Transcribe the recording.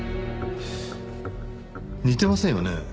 似てませんよね？